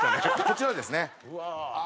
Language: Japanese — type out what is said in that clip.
こちらはですね